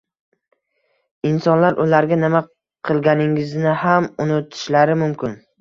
Insonlar ularga nima qilganingizni ham unutishlari mumkin.